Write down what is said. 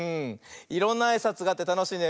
いろんなあいさつがあってたのしいね。